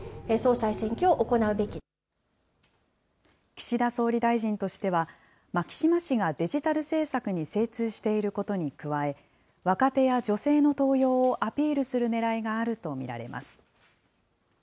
岸田総理大臣としては、牧島氏がデジタル政策に精通していることに加え、若手や女性の登用をアピールするねらいがあると見られます。